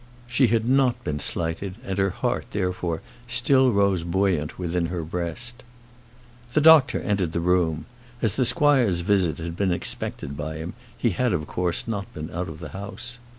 She had not been slighted, and her heart, therefore, still rose buoyant within her breast. The doctor entered the room. As the squire's visit had been expected by him, he had of course not been out of the house.